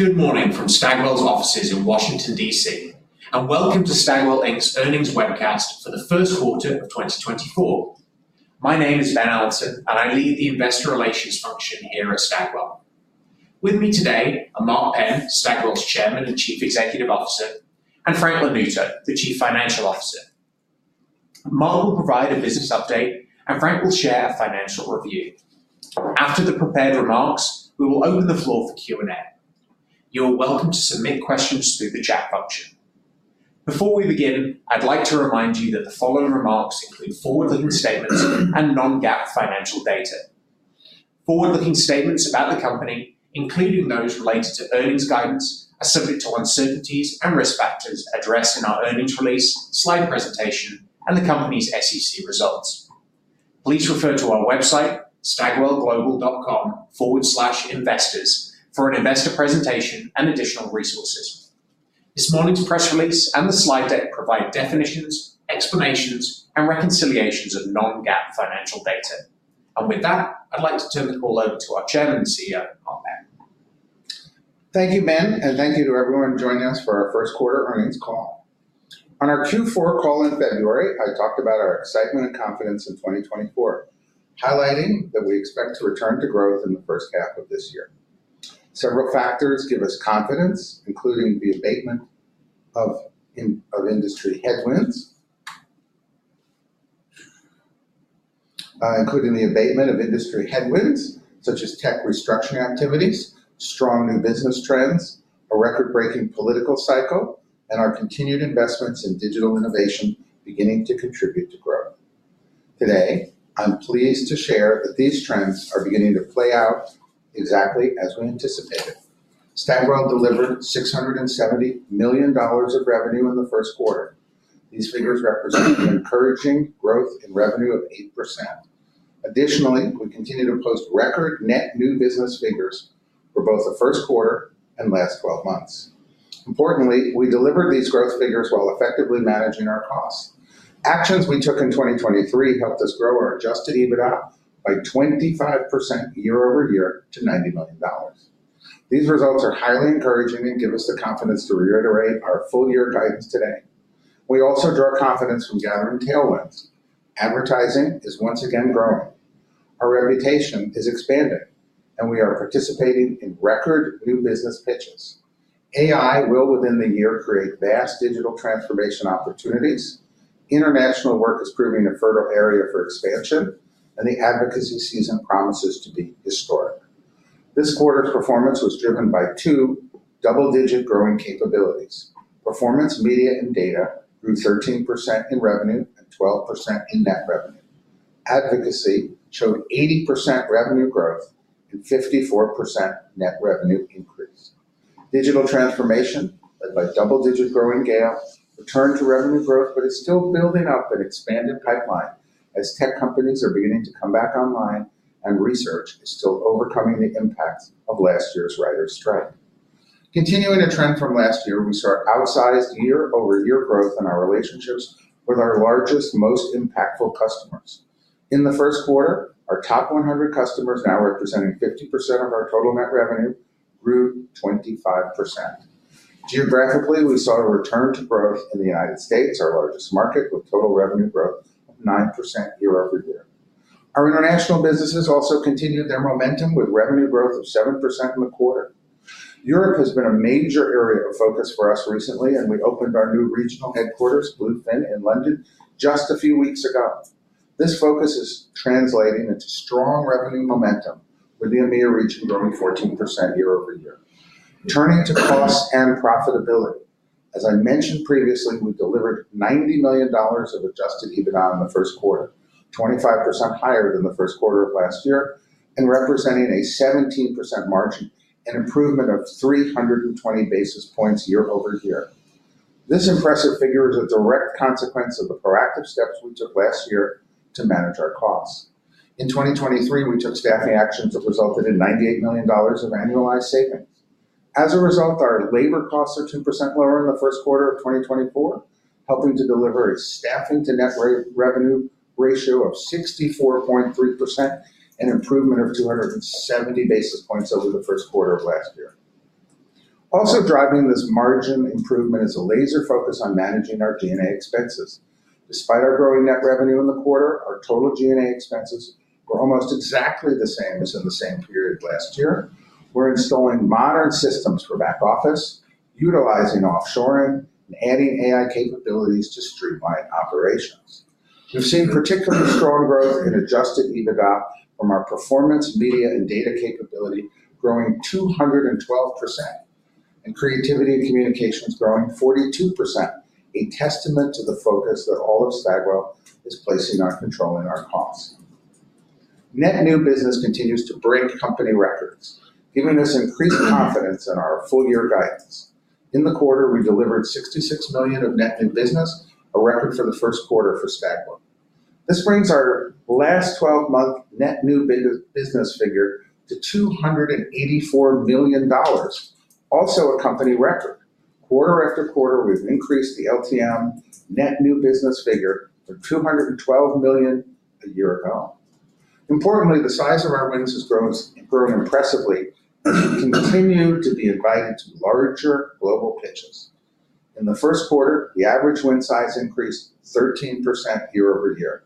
Good morning from Stagwell's offices in Washington, D.C., and welcome to Stagwell Inc.'s earnings webcast for the Q1 of 2024. My name is Ben Allanson, and I lead the investor relations function here at Stagwell. With me today are Mark Penn, Stagwell's Chairman and Chief Executive Officer, and Frank Lanuto, the Chief Financial Officer. Mark will provide a business update, and Frank will share a financial review. After the prepared remarks, we will open the floor for Q&A. You're welcome to submit questions through the chat function. Before we begin, I'd like to remind you that the following remarks include forward-looking statements and non-GAAP financial data. Forward-looking statements about the company, including those related to earnings guidance, are subject to uncertainties and risk factors addressed in our earnings release, slide presentation, and the company's SEC results. Please refer to our website, stagwellglobal.com/investors, for an investor presentation and additional resources. This morning's press release and the slide deck provide definitions, explanations, and reconciliations of non-GAAP financial data. With that, I'd like to turn the call over to our Chairman and CEO, Mark Penn. Thank you, Ben, and thank you to everyone joining us for our Q1 earnings call. On our Q4 call in February, I talked about our excitement and confidence in 2024, highlighting that we expect to return to growth in the first half of this year. Several factors give us confidence, including the abatement of industry headwinds such as tech restructuring activities, strong new business trends, a record-breaking political cycle, and our continued investments in digital innovation beginning to contribute to growth. Today, I'm pleased to share that these trends are beginning to play out exactly as we anticipated. Stagwell delivered $670 million of revenue in the Q1. These figures represent encouraging growth in revenue of 8%. Additionally, we continue to post record net new business figures for both the Q1 and last 12 months. Importantly, we delivered these growth figures while effectively managing our costs. Actions we took in 2023 helped us grow our adjusted EBITDA by 25% year-over-year to $90 million. These results are highly encouraging and give us the confidence to reiterate our full-year guidance today. We also draw confidence from gathering tailwinds. Advertising is once again growing. Our reputation is expanding, and we are participating in record new business pitches. AI will, within the year, create vast digital transformation opportunities. International work is proving a fertile area for expansion, and the advocacy season promises to be historic. This quarter's performance was driven by two double-digit growing capabilities. Performance, media, and data grew 13% in revenue and 12% in net revenue. Advocacy showed 80% revenue growth and 54% net revenue increase. Digital transformation, led by double-digit growing GenAI, returned to revenue growth but is still building up an expanded pipeline as tech companies are beginning to come back online and research is still overcoming the impacts of last year's writer's strike. Continuing a trend from last year, we saw outsized year-over-year growth in our relationships with our largest, most impactful customers. In the Q1, our top 100 customers, now representing 50% of our total net revenue, grew 25%. Geographically, we saw a return to growth in the United States, our largest market, with total revenue growth of 9% year-over-year. Our international businesses also continued their momentum with revenue growth of 7% in the quarter. Europe has been a major area of focus for us recently, and we opened our new regional headquarters, Blue Fin Building, in London just a few weeks ago. This focus is translating into strong revenue momentum with the EMEA region growing 14% year-over-year. Turning to cost and profitability, as I mentioned previously, we delivered $90 million of Adjusted EBITDA in the Q1, 25% higher than the Q1 of last year, and representing a 17% margin, an improvement of 320 basis points year-over-year. This impressive figure is a direct consequence of the proactive steps we took last year to manage our costs. In 2023, we took staffing actions that resulted in $98 million of annualized savings. As a result, our labor costs are 10% lower in the Q1 of 2024, helping to deliver a staffing-to-net revenue ratio of 64.3%, an improvement of 270 basis points over the Q1 of last year. Also driving this margin improvement is a laser focus on managing our G&A expenses. Despite our growing net revenue in the quarter, our total G&A expenses were almost exactly the same as in the same period last year. We're installing modern systems for back office, utilizing offshoring, and adding AI capabilities to streamline operations. We've seen particularly strong growth in Adjusted EBITDA from our performance, media, and data capability, growing 212%, and creativity and communications growing 42%, a testament to the focus that all of Stagwell is placing on controlling our costs. Net new business continues to break company records, giving us increased confidence in our full-year guidance. In the quarter, we delivered $66 million of net new business, a record for the Q1 for Stagwell. This brings our last 12-month net new business figure to $284 million, also a company record. Quarter after quarter, we've increased the LTM net new business figure to $212 million a year ago. Importantly, the size of our wins has grown impressively and we continue to be invited to larger global pitches. In the Q1, the average win size increased 13% year-over-year.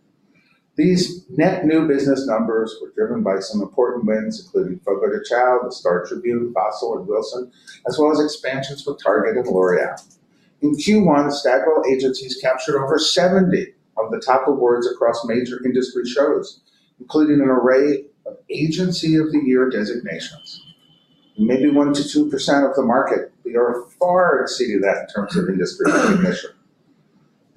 These net new business numbers were driven by some important wins, including Fogo de Chão, the Star Tribune, Fossil, and Wilson, as well as expansions with Target and L'Oréal. In Q1, Stagwell agencies captured over 70 of the top awards across major industry shows, including an array of Agency of the Year designations. We may be 1%-2% of the market, but we are far exceeding that in terms of industry recognition.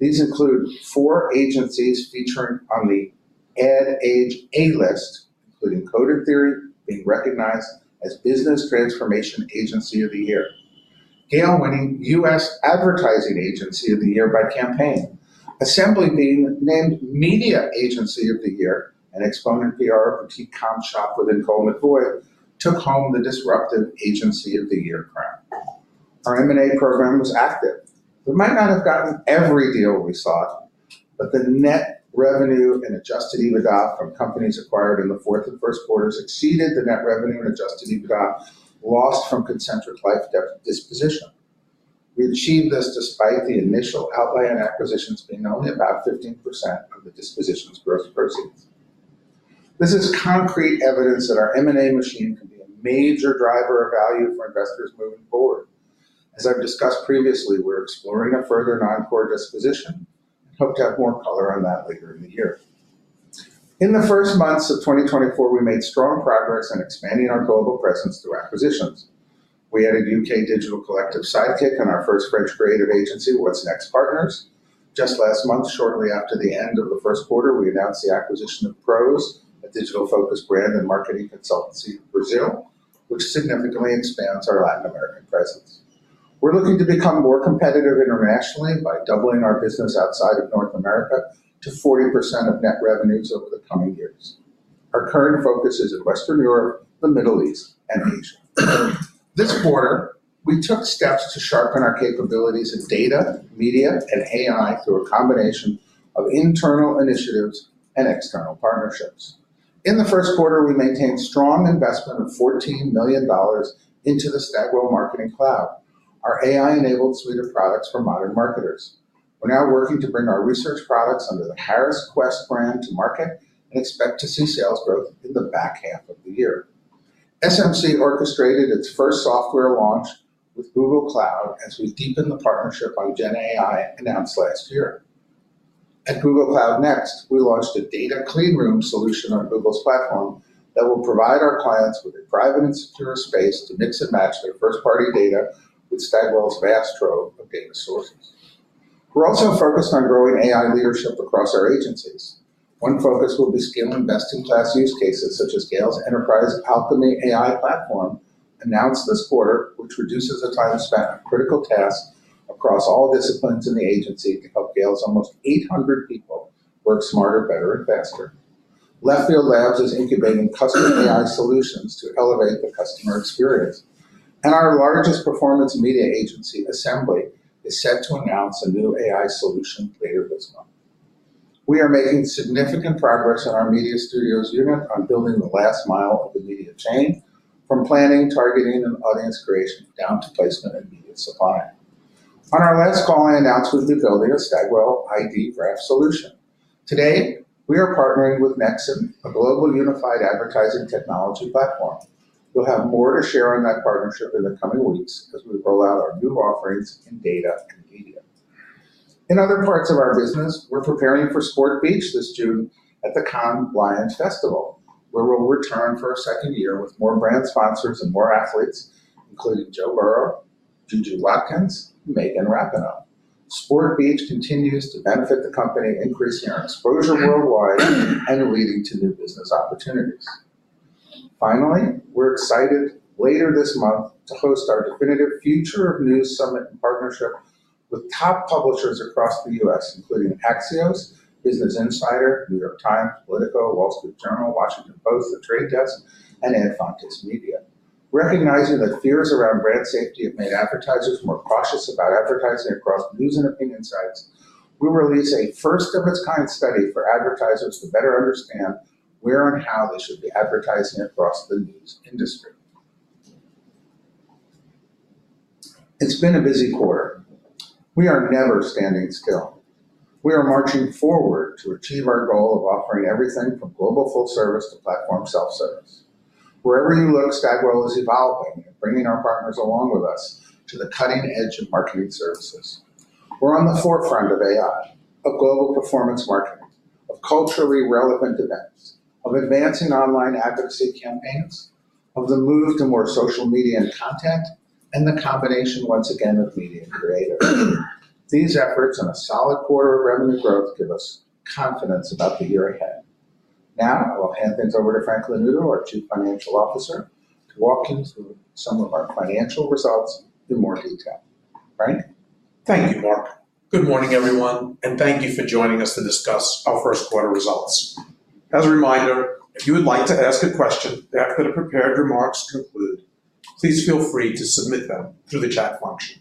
These include four agencies featuring on the Ad Age A-List, including Code and Theory being recognized as Business Transformation Agency of the Year, GALE winning US Advertising Agency of the Year by Campaign, Assembly being named Media Agency of the Year, and Exponent PR, a boutique comm shop within Colle McVoy, took home the Disruptive Agency of the Year crown. Our M&A program was active. We might not have gotten every deal we sought, but the net revenue and adjusted EBITDA from companies acquired in the fourth and Q1s exceeded the net revenue and adjusted EBITDA lost from Concentric Life disposition. We achieved this despite the initial outlier in acquisitions being only about 15% of the disposition's gross proceeds. This is concrete evidence that our M&A machine can be a major driver of value for investors moving forward. As I've discussed previously, we're exploring a further non-core disposition and hope to have more color on that later in the year. In the first months of 2024, we made strong progress in expanding our global presence through acquisitions. We added UK Digital Collective Sidekick and our first French creative agency, What's Next Partners. Just last month, shortly after the end of the Q1, we announced the acquisition of PROS, a digital-focused brand and marketing consultancy in Brazil, which significantly expands our Latin American presence. We're looking to become more competitive internationally by doubling our business outside of North America to 40% of net revenues over the coming years. Our current focus is in Western Europe, the Middle East, and Asia. This quarter, we took steps to sharpen our capabilities in data, media, and AI through a combination of internal initiatives and external partnerships. In the Q1, we maintained strong investment of $14 million into the Stagwell Marketing Cloud, our AI-enabled suite of products for modern marketers. We're now working to bring our research products under the Harris Quest brand to market and expect to see sales growth in the back half of the year. SMC orchestrated its first software launch with Google Cloud as we deepened the partnership on GenAI announced last year. At Google Cloud Next, we launched a data cleanroom solution on Google's platform that will provide our clients with a private and secure space to mix and match their first-party data with Stagwell's vast trove of data sources. We're also focused on growing AI leadership across our agencies. One focus will be skill-building, class-leading use cases such as GALE's enterprise Alchemy AI platform announced this quarter, which reduces the time spent on critical tasks across all disciplines in the agency to help GALE's almost 800 people work smarter, better, and faster. Left Field Labs is incubating custom AI solutions to elevate the customer experience, and our largest performance media agency, Assembly, is set to announce a new AI solution later this month. We are making significant progress in our media studios unit on building the last mile of the media chain, from planning, targeting, and audience creation down to placement and media supply. On our last call, I announced we'd be building a Stagwell ID Graph solution. Today, we are partnering with Nexxen, a global unified advertising technology platform. We'll have more to share on that partnership in the coming weeks as we roll out our new offerings in data and media. In other parts of our business, we're preparing for Sport Beach this June at the Cannes Lions Festival, where we'll return for a second year with more brand sponsors and more athletes, including Joe Burrow, JuJu Watkins, and Megan Rapinoe. Sport Beach continues to benefit the company, increasing our exposure worldwide and leading to new business opportunities. Finally, we're excited later this month to host our Definitive Future of News Summit in partnership with top publishers across the U.S., including Axios, Business Insider, New York Times, Politico, Wall Street Journal, Washington Post, The Trade Desk, and Ad Fontes Media. Recognizing that fears around brand safety have made advertisers more cautious about advertising across news and opinion sites, we release a first-of-its-kind study for advertisers to better understand where and how they should be advertising across the news industry. It's been a busy quarter. We are never standing still. We are marching forward to achieve our goal of offering everything from global full-service to platform self-service. Wherever you look, Stagwell is evolving and bringing our partners along with us to the cutting edge of marketing services. We're on the forefront of AI, of global performance marketing, of culturally relevant events, of advancing online advocacy campaigns, of the move to more social media and content, and the combination, once again, of media and creators. These efforts and a solid quarter of revenue growth give us confidence about the year ahead. Now, I will hand things over to Frank Lanuto, our Chief Financial Officer, to walk you through some of our financial results in more detail. Frank. Thank you, Mark. Good morning, everyone, and thank you for joining us to discuss our Q1 results. As a reminder, if you would like to ask a question after the prepared remarks conclude, please feel free to submit them through the chat function.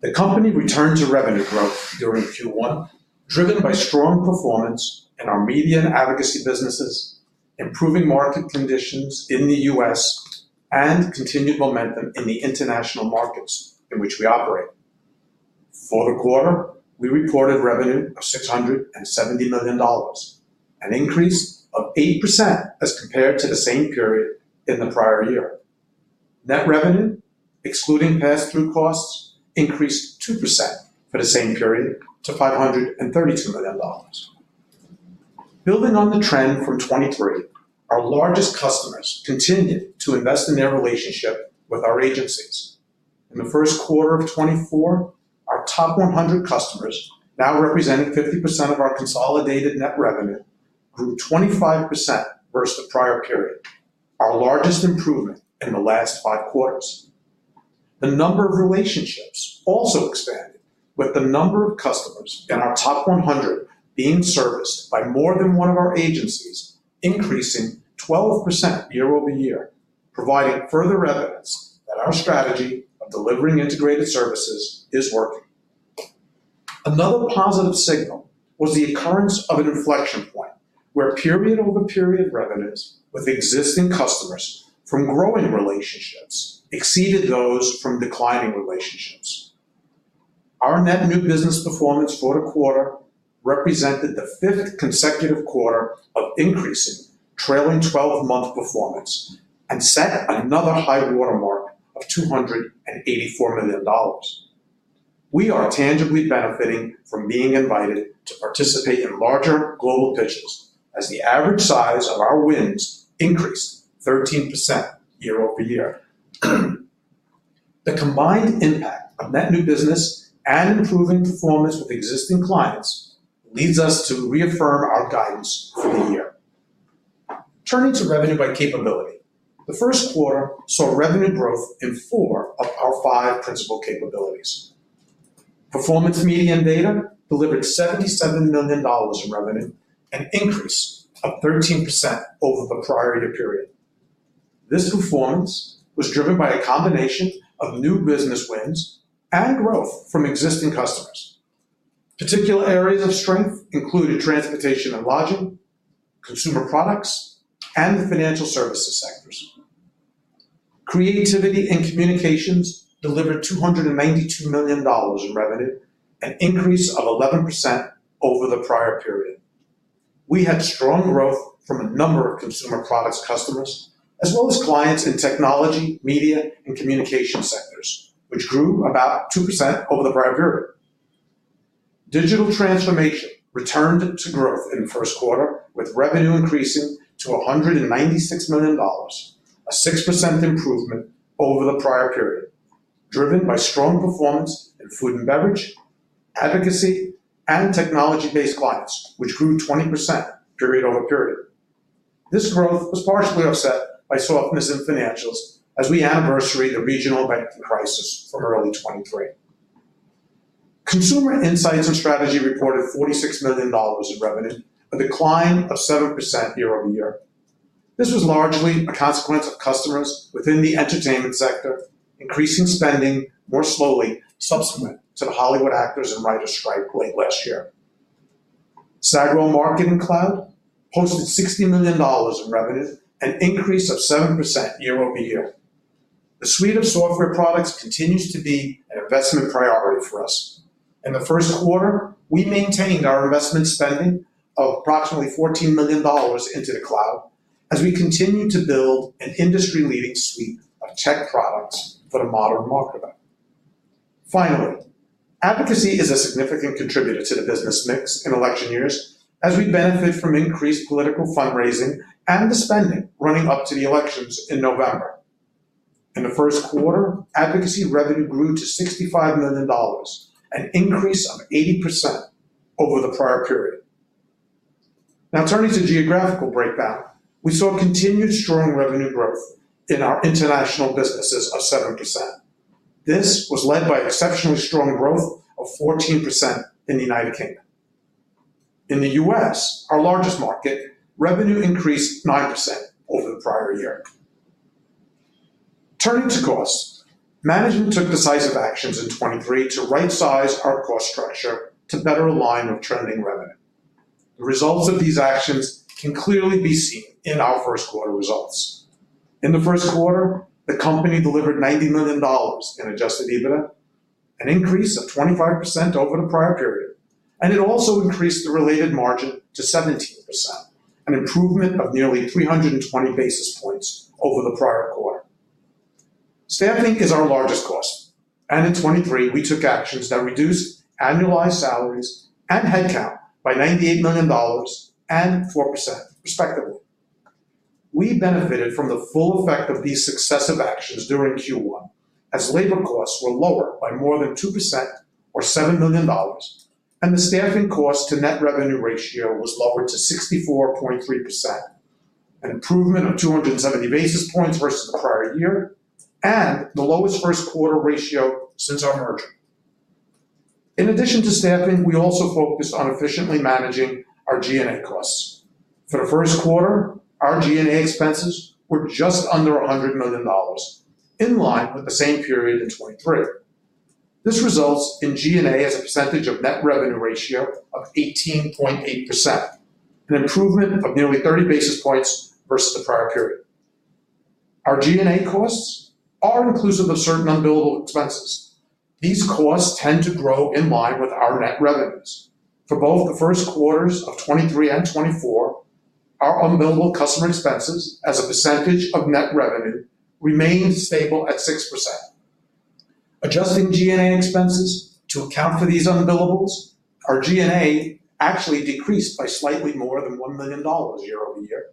The company returned to revenue growth during Q1, driven by strong performance in our media and advocacy businesses, improving market conditions in the U.S., and continued momentum in the international markets in which we operate. For the quarter, we reported revenue of $670 million, an increase of 8% as compared to the same period in the prior year. Net revenue, excluding pass-through costs, increased 2% for the same period to $532 million. Building on the trend from 2023, our largest customers continued to invest in their relationship with our agencies. In the Q1 of 2024, our top 100 customers, now representing 50% of our consolidated net revenue, grew 25% versus the prior period, our largest improvement in the last five quarters. The number of relationships also expanded, with the number of customers in our top 100 being serviced by more than one of our agencies increasing 12% year-over-year, providing further evidence that our strategy of delivering integrated services is working. Another positive signal was the occurrence of an inflection point where period-over-period revenues with existing customers from growing relationships exceeded those from declining relationships. Our net new business performance for the quarter represented the fifth consecutive quarter of increasing, trailing 12-month performance, and set another high watermark of $284 million. We are tangibly benefiting from being invited to participate in larger global pitches as the average size of our wins increased 13% year-over-year. The combined impact of net new business and improving performance with existing clients leads us to reaffirm our guidance for the year. Turning to revenue by capability, the Q1 saw revenue growth in four of our five principal capabilities. Performance, media, and data delivered $77 million in revenue, an increase of 13% over the prior year period. This performance was driven by a combination of new business wins and growth from existing customers. Particular areas of strength included transportation and lodging, consumer products, and the financial services sectors. Creativity and communications delivered $292 million in revenue, an increase of 11% over the prior period. We had strong growth from a number of consumer products customers, as well as clients in technology, media, and communication sectors, which grew about 2% over the prior period. Digital transformation returned to growth in the Q1, with revenue increasing to $196 million, a 6% improvement over the prior period, driven by strong performance in food and beverage, advocacy, and technology-based clients, which grew 20% period-over-period. This growth was partially offset by softness in financials as we anniversary the regional banking crisis from early 2023. Consumer insights and strategy reported $46 million in revenue, a decline of 7% year-over-year. This was largely a consequence of customers within the entertainment sector increasing spending more slowly subsequent to the Hollywood actors and writers strike late last year. Stagwell Marketing Cloud posted $60 million in revenue, an increase of 7% year-over-year. The suite of software products continues to be an investment priority for us. In the Q1, we maintained our investment spending of approximately $14 million into the cloud as we continue to build an industry-leading suite of tech products for the modern market. Finally, advocacy is a significant contributor to the business mix in election years as we benefit from increased political fundraising and the spending running up to the elections in November. In the Q1, advocacy revenue grew to $65 million, an increase of 80% over the prior period. Now, turning to geographical breakdown, we saw continued strong revenue growth in our international businesses of 7%. This was led by exceptionally strong growth of 14% in the United Kingdom. In the U.S., our largest market, revenue increased 9% over the prior year. Turning to costs, management took decisive actions in 2023 to right-size our cost structure to better align with trending revenue. The results of these actions can clearly be seen in our Q1 results. In the Q1, the company delivered $90 million in Adjusted EBITDA, an increase of 25% over the prior period, and it also increased the related margin to 17%, an improvement of nearly 320 basis points over the prior quarter. Staffing is our largest cost, and in 2023, we took actions that reduced annualized salaries and headcount by $98 million and 4%, respectively. We benefited from the full effect of these successive actions during Q1 as labor costs were lower by more than 2% or $7 million, and the staffing cost-to-net revenue ratio was lowered to 64.3%, an improvement of 270 basis points versus the prior year and the lowest first-quarter ratio since our merger. In addition to staffing, we also focused on efficiently managing our G&A costs. For the Q1, our G&A expenses were just under $100 million, in line with the same period in 2023. This results in G&A as a percentage of net revenue ratio of 18.8%, an improvement of nearly 30 basis points versus the prior period. Our G&A costs are inclusive of certain unbillable expenses. These costs tend to grow in line with our net revenues. For both the Q1s of 2023 and 2024, our unbillable customer expenses as a percentage of net revenue remained stable at 6%. Adjusting G&A expenses to account for these unbillables, our G&A actually decreased by slightly more than $1 million year-over-year,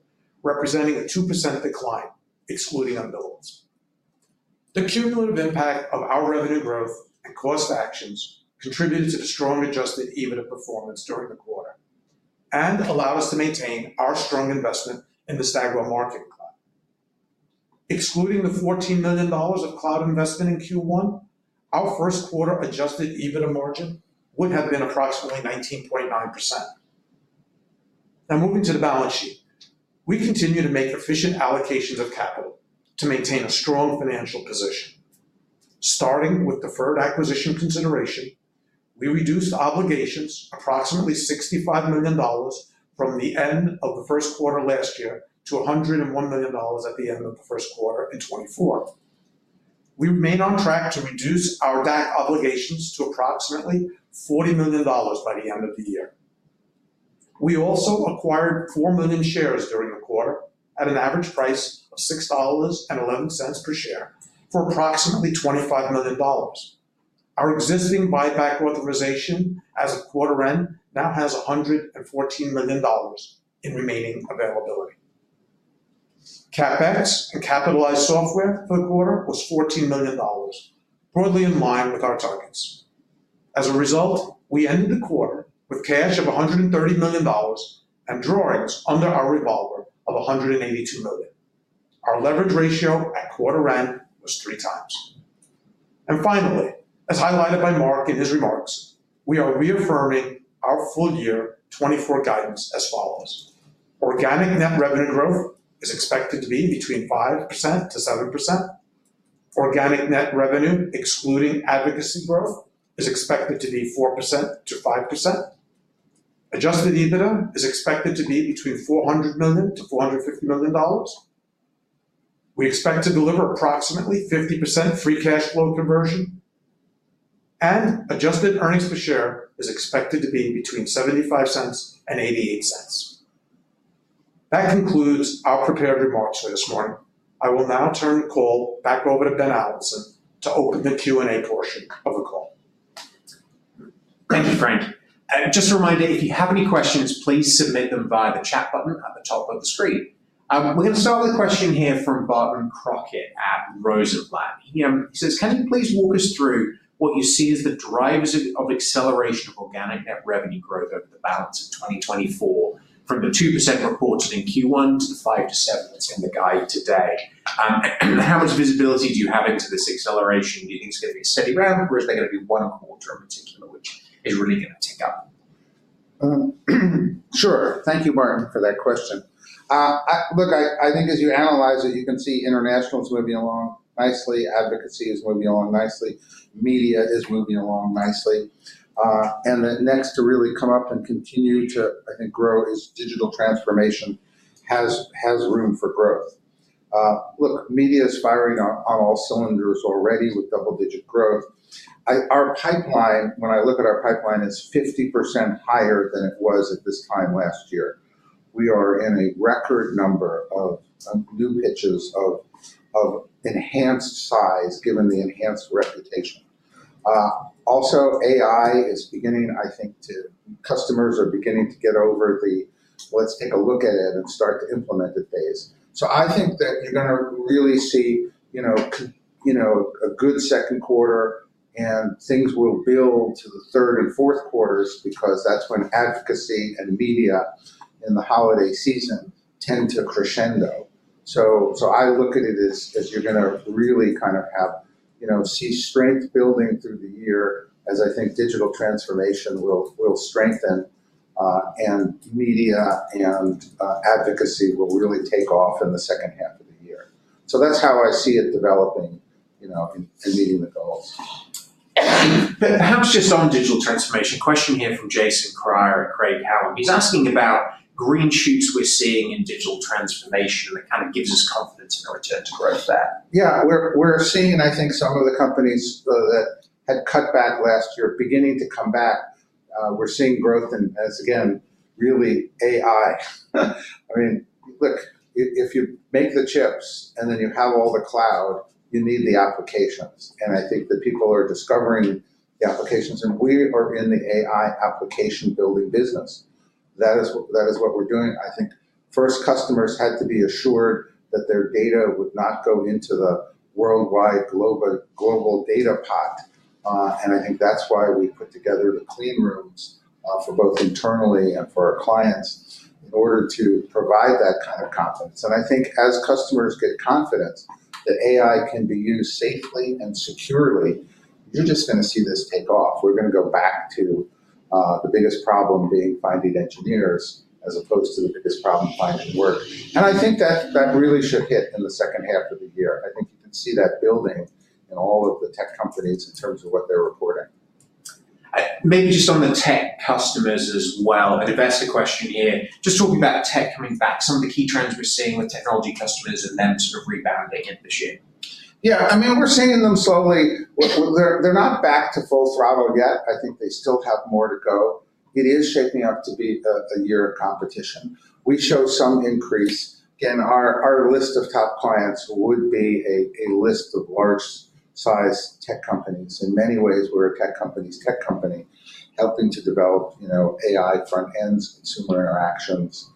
representing a 2% decline, excluding unbillables. The cumulative impact of our revenue growth and cost actions contributed to the strong Adjusted EBITDA performance during the quarter and allowed us to maintain our strong investment in the Stagwell Marketing Cloud. Excluding the $14 million of cloud investment in Q1, our Q1 Adjusted EBITDA margin would have been approximately 19.9%. Now, moving to the balance sheet, we continue to make efficient allocations of capital to maintain a strong financial position. Starting with Deferred Acquisition Consideration, we reduced obligations approximately $65 million from the end of the Q1 last year to $101 million at the end of the Q1 in 2024. We remain on track to reduce our DAC obligations to approximately $40 million by the end of the year. We also acquired four million shares during the quarter at an average price of $6.11 per share for approximately $25 million. Our existing buyback authorization as of quarter end now has $114 million in remaining availability. CapEx in capitalized software for the quarter was $14 million, broadly in line with our targets. As a result, we ended the quarter with cash of $130 million and drawings under our revolver of $182 million. Our leverage ratio at quarter end was 3x. Finally, as highlighted by Mark in his remarks, we are reaffirming our full year 2024 guidance as follows. Organic net revenue growth is expected to be between 5%-7%. Organic net revenue, excluding advocacy growth, is expected to be 4%-5%. Adjusted EBITDA is expected to be between $400 million-$450 million. We expect to deliver approximately 50% Free Cash Flow Conversion, and adjusted earnings per share is expected to be between $0.75 and $0.88. That concludes our prepared remarks for this morning. I will now turn the call back over to Ben Allanson to open the Q&A portion of the call. Thank you, Frank. Just a reminder, if you have any questions, please submit them via the chat button at the top of the screen. We're going to start with a question here from Barton Crockett at Rosenblatt. He says, "Can you please walk us through what you see as the drivers of acceleration of organic net revenue growth over the balance of 2024 from the 2% reported in Q1 to the 5%-7% that's in the guide today? How much visibility do you have into this acceleration? Do you think it's going to be a steady ramp, or is there going to be one quarter in particular which is really going to tick up? Sure. Thank you, Barton, for that question. Look, I think as you analyze it, you can see international is moving along nicely. Advocacy is moving along nicely. Media is moving along nicely. And the next to really come up and continue to, I think, grow is digital transformation has room for growth. Look, media is firing on all cylinders already with double-digit growth. Our pipeline, when I look at our pipeline, is 50% higher than it was at this time last year. We are in a record number of new pitches of enhanced size given the enhanced reputation. Also, AI is beginning, I think, to customers are beginning to get over the, "Let's take a look at it and start to implemented phase. So I think that you're going to really see a good Q2, and things will build to the third and Q4s because that's when advocacy and media in the holiday season tend to crescendo. So I look at it as you're going to really kind of see strength building through the year as I think digital transformation will strengthen, and media and advocacy will really take off in the second half of the year. So that's how I see it developing and meeting the goals. Perhaps just on digital transformation, question here from Jason Kreyer at Craig-Hallum. He's asking about green shoots we're seeing in digital transformation. It kind of gives us confidence in a return to growth there. Yeah. We're seeing, I think, some of the companies that had cut back last year beginning to come back. We're seeing growth in, as again, really AI. I mean, look, if you make the chips and then you have all the cloud, you need the applications. And I think that people are discovering the applications, and we are in the AI application building business. That is what we're doing. I think first, customers had to be assured that their data would not go into the worldwide global data pot. And I think that's why we put together the clean rooms for both internally and for our clients in order to provide that kind of confidence. And I think as customers get confidence that AI can be used safely and securely, you're just going to see this take off. We're going to go back to the biggest problem being finding engineers as opposed to the biggest problem finding work. I think that really should hit in the second half of the year. I think you can see that building in all of the tech companies in terms of what they're reporting. Maybe just on the tech customers as well. If that's the question here, just talking about tech coming back, some of the key trends we're seeing with technology customers and them sort of rebounding in the shape. Yeah. I mean, we're seeing them slowly. They're not back to full throttle yet. I think they still have more to go. It is shaping up to be a year of competition. We show some increase. Again, our list of top clients would be a list of large-sized tech companies. In many ways, we're a tech company's tech company helping to develop AI front-ends, consumer interactions,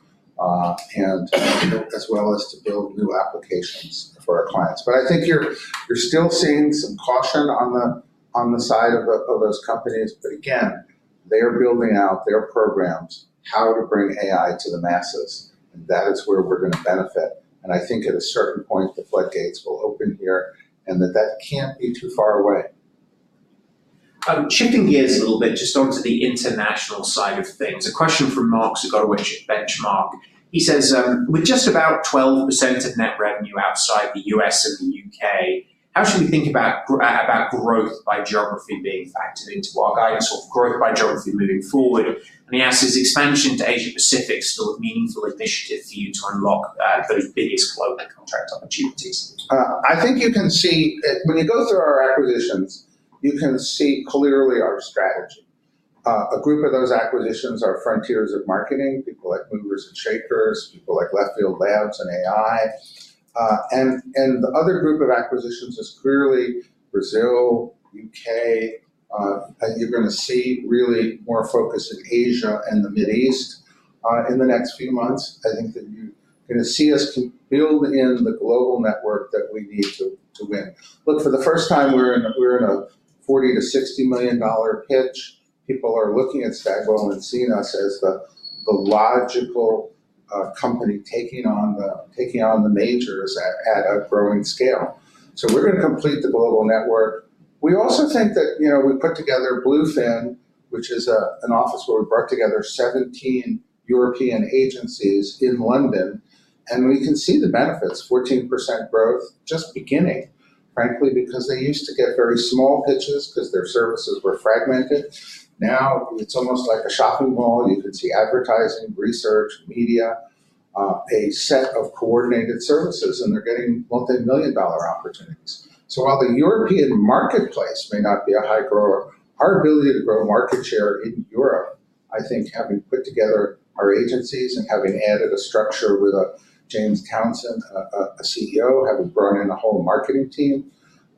as well as to build new applications for our clients. But I think you're still seeing some caution on the side of those companies. But again, they are building out their programs, how to bring AI to the masses. And that is where we're going to benefit. And I think at a certain point, the floodgates will open here, and that can't be too far away. Shifting gears a little bit just onto the international side of things, a question from Mark Zgutowicz at Benchmark Company. He says, "With just about 12% of net revenue outside the U.S. and the U.K., how should we think about growth by geography being factored into our guidance of growth by geography moving forward?" And he asks, "Is expansion to Asia-Pacific still a meaningful initiative for you to unlock those biggest global contract opportunities? I think you can see when you go through our acquisitions, you can see clearly our strategy. A group of those acquisitions are Frontiers of Marketing, people like Movers and Shakers, people like Left Field Labs and AI. The other group of acquisitions is clearly Brazil, U.K. You're going to see really more focus in Asia and the Middle East in the next few months. I think that you're going to see us build in the global network that we need to win. Look, for the first time, we're in a $40 million-$60 million pitch. People are looking at Stagwell and seeing us as the logical company taking on the majors at a growing scale. So we're going to complete the global network. We also think that we put together Blue Fin, which is an office where we brought together 17 European agencies in London. And we can see the benefits, 14% growth just beginning, frankly, because they used to get very small pitches because their services were fragmented. Now, it's almost like a shopping mall. You can see advertising, research, media, a set of coordinated services, and they're getting multimillion-dollar opportunities. So while the European marketplace may not be a high grower, our ability to grow market share in Europe, I think having put together our agencies and having added a structure with a James Townsend, a CEO, having brought in a whole marketing team,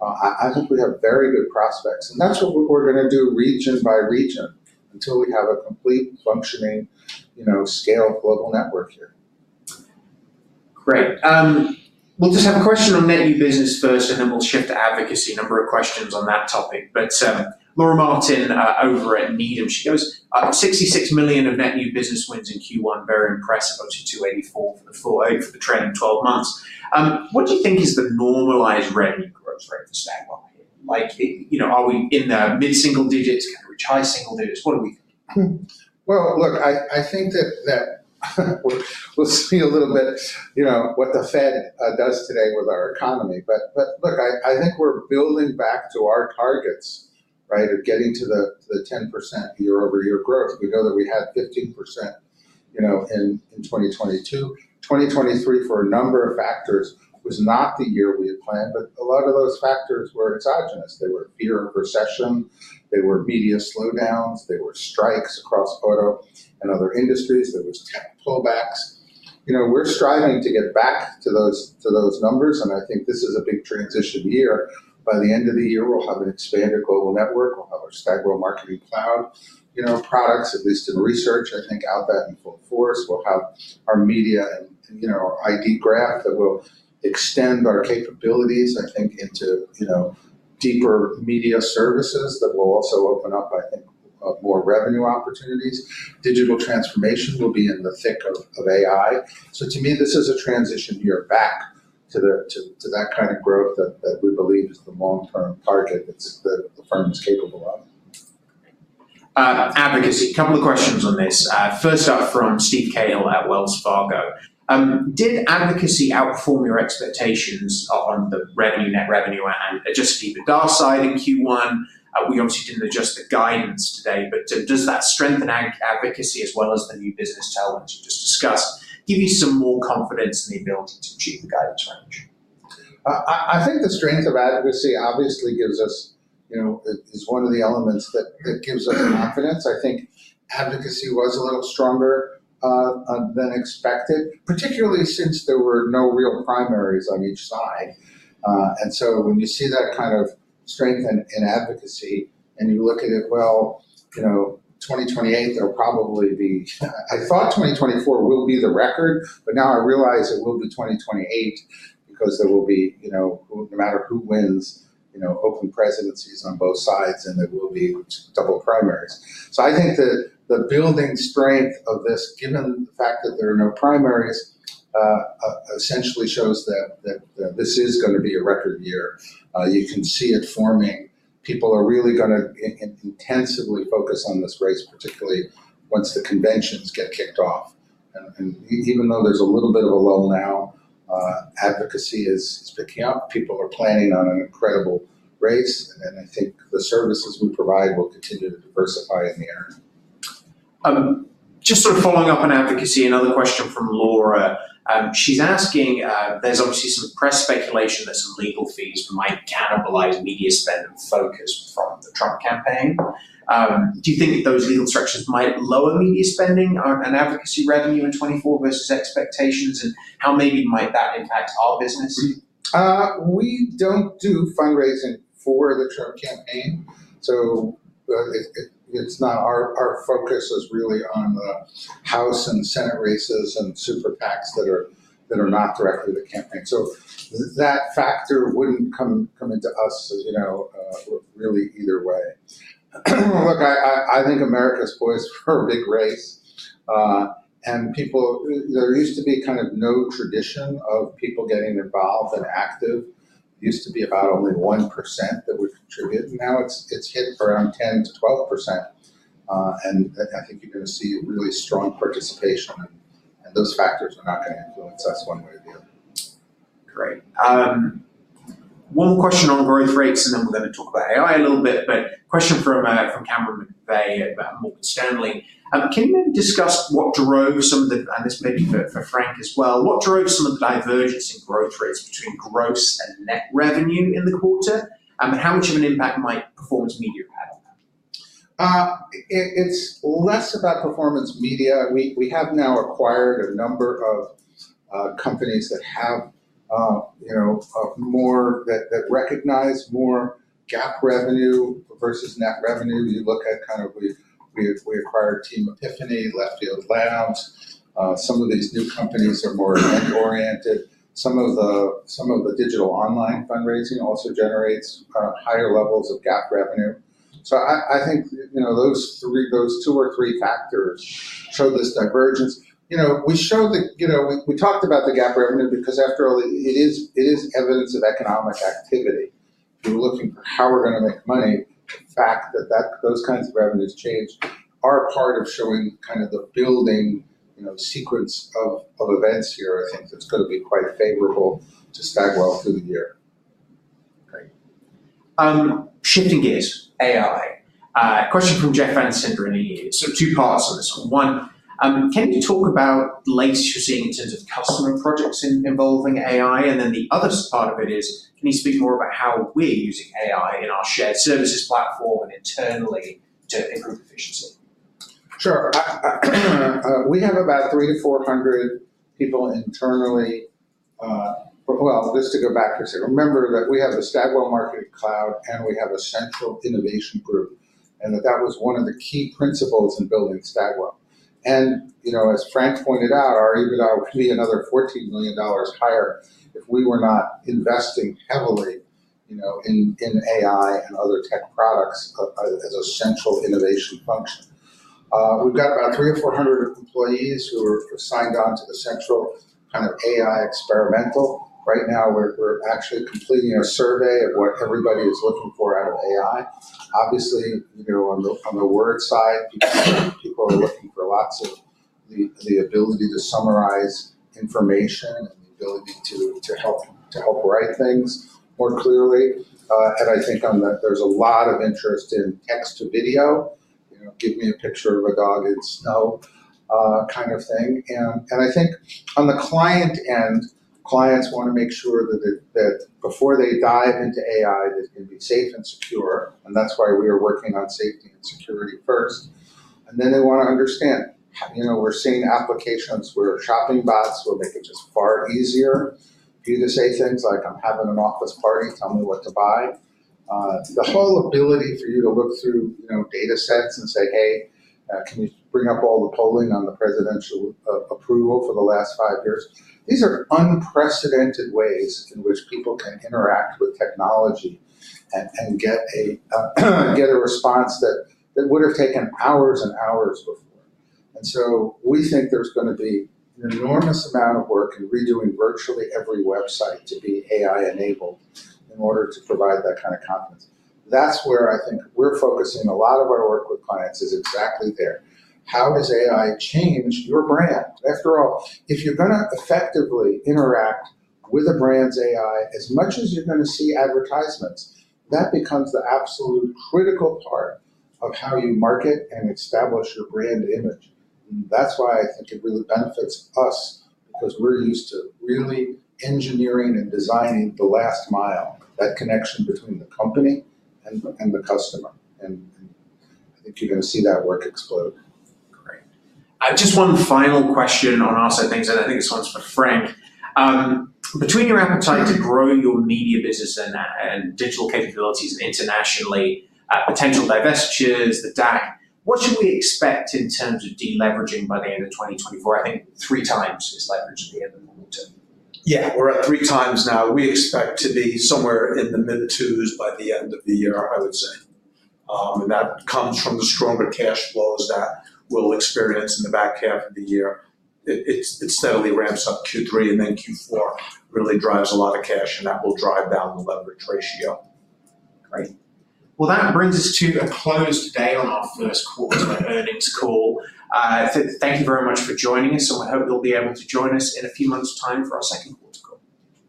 I think we have very good prospects. And that's what we're going to do region by region until we have a complete functioning-scale global network here. Great. We'll just have a question on net new business first, and then we'll shift to advocacy. A number of questions on that topic. But Laura Martin over at Needham, she goes, "$66 million of net new business wins in Q1, very impressive, up to $284 million for the trailing 12 months." What do you think is the normalized revenue growth rate for Stagwell here? Are we in the mid-single digits, kind of reach high single digits? What do we think? Well, look, I think that we'll see a little bit what the Fed does today with our economy. But look, I think we're building back to our targets, right, of getting to the 10% year-over-year growth. We know that we had 15% in 2022. 2023, for a number of factors, was not the year we had planned. But a lot of those factors were exogenous. They were fear of recession. They were media slowdowns. They were strikes across auto and other industries. There was tech pullbacks. We're striving to get back to those numbers. And I think this is a big transition year. By the end of the year, we'll have an expanded global network. We'll have our Stagwell Marketing Cloud products, at least in research, I think, out there in full force. We'll have our media and our ID graph that will extend our capabilities, I think, into deeper media services that will also open up, I think, more revenue opportunities. Digital transformation will be in the thick of AI. So to me, this is a transition year back to that kind of growth that we believe is the long-term target that the firm is capable of. Advocacy, a couple of questions on this. First up from Steve Cahill at Wells Fargo. Did Advocacy outperform your expectations on the net revenue and Adjusted EBITDA side in Q1? We obviously didn't adjust the guidance today. But does that strengthen Advocacy as well as the new business talent you just discussed, give you some more confidence in the ability to achieve the guidance range? I think the strength of advocacy obviously gives us is one of the elements that gives us confidence. I think advocacy was a little stronger than expected, particularly since there were no real primaries on each side. So when you see that kind of strength in advocacy and you look at it, well, 2028, there'll probably be. I thought 2024 will be the record. But now I realize it will be 2028 because there will be, no matter who wins, open presidencies on both sides, and there will be double primaries. So I think that the building strength of this, given the fact that there are no primaries, essentially shows that this is going to be a record year. You can see it forming. People are really going to intensively focus on this race, particularly once the conventions get kicked off. Even though there's a little bit of a lull now, advocacy is picking up. People are planning on an incredible race. I think the services we provide will continue to diversify in the end. Just sort of following up on advocacy, another question from Laura. She's asking, there's obviously some press speculation that some legal fees might cannibalize media spending focus from the Trump campaign. Do you think that those legal structures might lower media spending and advocacy revenue in 2024 versus expectations? And how maybe might that impact our business? We don't do fundraising for the Trump campaign. So our focus is really on the House and Senate races and super PACs that are not directly the campaign. So that factor wouldn't come into us really either way. Look, I think America's poised for a big race. And there used to be kind of no tradition of people getting involved and active. It used to be about only 1% that would contribute. Now it's hit around 10%-12%. And I think you're going to see really strong participation. And those factors are not going to influence us one way or the other. Great. One question on growth rates, and then we're going to talk about AI a little bit. But question from Cameron McVeigh at Morgan Stanley. Can you maybe discuss what drove some of the, and this may be for Frank as well. What drove some of the divergence in growth rates between gross and net revenue in the quarter? And how much of an impact might performance media have had on that? It's less about performance media. We have now acquired a number of companies that have more that recognize more GAAP revenue versus net revenue. You look at kind of we acquired Team Epiphany, Left Field Labs. Some of these new companies are more event-oriented. Some of the digital online fundraising also generates higher levels of GAAP revenue. So I think those two or three factors show this divergence. We showed that we talked about the GAAP revenue because after all, it is evidence of economic activity. If you're looking for how we're going to make money, the fact that those kinds of revenues change are part of showing kind of the building sequence of events here, I think, that's going to be quite favorable to Stagwell through the year. Great. Shifting gears, AI. Question from Jeff Van Sinderen at B. Riley Securities. So two parts of this. One, can you talk about the latest you're seeing in terms of customer projects involving AI? And then the other part of it is, can you speak more about how we're using AI in our shared services platform and internally to improve efficiency? Sure. We have about 300-400 people internally. Well, just to go back, remember that we have the Stagwell Marketing Cloud, and we have a central innovation group, and that that was one of the key principles in building Stagwell. As Frank pointed out, our EBITDA would be another $14 million higher if we were not investing heavily in AI and other tech products as a central innovation function. We've got about 300-400 employees who are signed on to the central kind of AI experimental. Right now, we're actually completing a survey of what everybody is looking for out of AI. Obviously, on the word side, people are looking for lots of the ability to summarize information and the ability to help write things more clearly. I think there's a lot of interest in text to video, give me a picture of a dog in snow kind of thing. I think on the client end, clients want to make sure that before they dive into AI, that it can be safe and secure. That's why we are working on safety and security first. Then they want to understand we're seeing applications where shopping bots will make it just far easier for you to say things like, "I'm having an office party. Tell me what to buy." The whole ability for you to look through data sets and say, "Hey, can you bring up all the polling on the presidential approval for the last five years?" These are unprecedented ways in which people can interact with technology and get a response that would have taken hours and hours before. So we think there's going to be an enormous amount of work in redoing virtually every website to be AI-enabled in order to provide that kind of confidence. That's where I think we're focusing a lot of our work with clients is exactly there. How does AI change your brand? After all, if you're going to effectively interact with a brand's AI as much as you're going to see advertisements, that becomes the absolute critical part of how you market and establish your brand image. That's why I think it really benefits us because we're used to really engineering and designing the last mile, that connection between the company and the customer. I think you're going to see that work explode. Great. Just one final question on all set things, and I think this one's for Frank. Between your appetite to grow your media business and digital capabilities internationally, potential divestitures, the DAC, what should we expect in terms of deleveraging by the end of 2024? I think 3x is leverage at the end of the quarter. Yeah, we're at 3x now. We expect to be somewhere in the mid-2s by the end of the year, I would say. That comes from the stronger cash flows that we'll experience in the back half of the year. It steadily ramps up Q3, and then Q4 really drives a lot of cash, and that will drive down the leverage ratio. Great. Well, that brings us to a close today on our Q1 earnings call. Thank you very much for joining us, and we hope you'll be able to join us in a few months' time for our Q2 call.